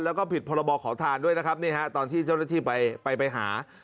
แล้วก็ผิดพรบขอทานด้วยนะครับนี่ฮะตอนที่เจ้าหน้าที่ไปไปไปหา